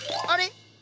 あれ？